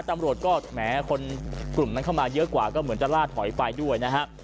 ตำรวจก็แหมคนกลุ่มนั้นเข้ามาเยอะกว่าก็เหมือนจะล่าถอยไปด้วยนะฮะ